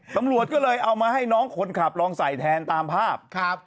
ตำรวจก็เลยเอามาให้น้องคนขับลองใส่แทนตามภาพครับ